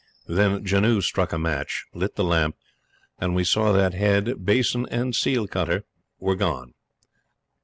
Then Janoo struck a match, lit the lamp, and we saw that head, basin, and seal cutter were gone.